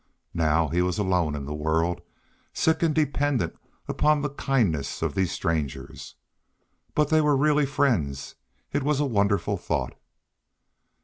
Now he was alone in the world, sick and dependent upon the kindness of these strangers. But they were really friends it was a wonderful thought.